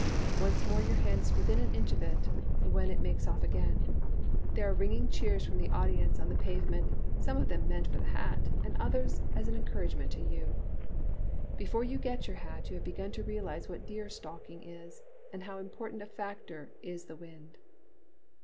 Once more your hand is within an inch of it, when it makes off again. There are ringing cheers from the audi ence on the pavement, some of them meant for the hat, and the others as an encouragement to you. Before Digitized by VjOOQ IC xziT 5* A« JSattie, you get your hat you have begun to realize what deer stalking is, and how important a factor is the wind.